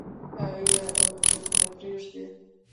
آیا او څوک نه پریږدي؟